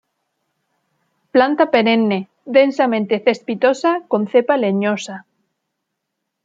Planta perenne, densamente cespitosa, con cepa leñosa.